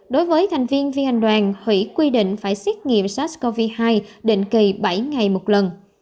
đối với thành viên phi hành đoàn hủy quy định phải xét nghiệm sars cov hai định kỳ bảy ngày một lần